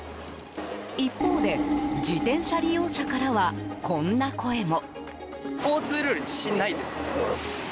一方で、自転車利用者からはこんな声も。